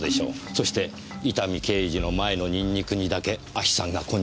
そして伊丹刑事の前のニンニクにだけ亜ヒ酸が混入されていた。